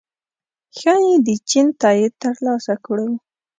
ښايي د چین تائید ترلاسه کړو